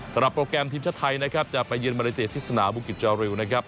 สำหรับโปรแกรมทีมชาติไทยนะครับจะไปเย็นมาเลเซียธิศนาบุกิจริย์นะครับ